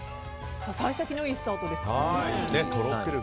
幸先のいいスタートですね。